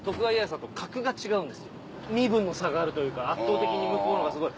身分の差があるというか圧倒的に向こうの方がすごい。